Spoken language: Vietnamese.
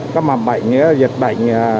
cái mạng bệnh dịch bệnh